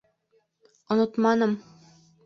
— Онотманым...